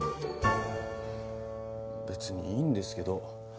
べつにいいんですけど。